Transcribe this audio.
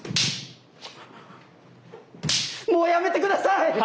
もうやめて下さい！